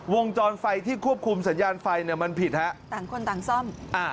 วงจรไฟที่ควบคุมสัญญาณไฟเนี่ยมันผิดฮะต่างคนต่างซ่อมอ่า